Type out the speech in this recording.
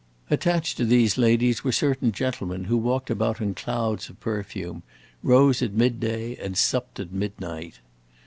Attached to these ladies were certain gentlemen who walked about in clouds of perfume, rose at midday, and supped at midnight.